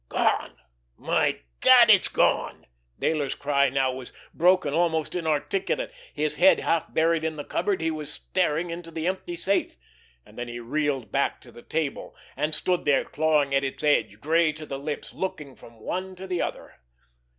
"Gone! My God, it is gone!" Dayler's cry now was broken, almost inarticulate. His head half buried in the cupboard, he was staring into the empty safe. And then he reeled back to the table, and stood there clawing at its edge, gray to the lips, looking from one to the other.